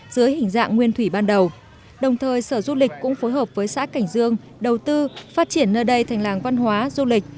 dưới hình dạng nguyên thủy ban đầu đồng thời sở du lịch cũng phối hợp với xã cảnh dương đầu tư phát triển nơi đây thành làng văn hóa du lịch